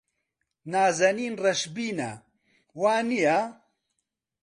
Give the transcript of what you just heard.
نازەنین ڕەشبینە، وانییە؟